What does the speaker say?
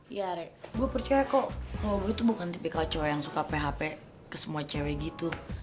iya re gue percaya kok kalo gue tuh bukan tipikal cowo yang suka php ke semua cewe gitu